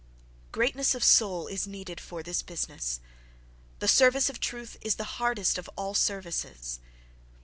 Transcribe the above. Greatness of soul is needed for this business: the service of truth is the hardest of all services.